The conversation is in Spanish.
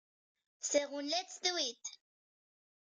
Según Let's Do It!